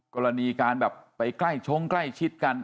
กรณีการแบบไปใกล้ชงใกล้ชิดกัน